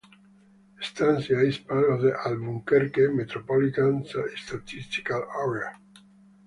Estancia is part of the Albuquerque Metropolitan Statistical Area.